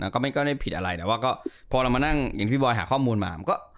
ก็ไม่ได้ผิดอะไรแต่ว่าก็พอเรามานั่งอย่างที่บอยหาข้อมูลมามันก็